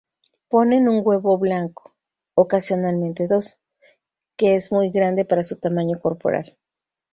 Ponen un huevo blanco, ocasionalmente dos, que es muy grande para su tamaño corporal.